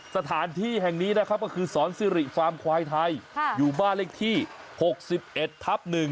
สถานที่แห่งนี้นะครับก็คือสอนซิริควายไทยค่ะอยู่บ้านเลขที่หกสิบเอ็ดทับหนึ่ง